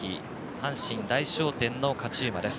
阪神大賞典の勝ち馬です。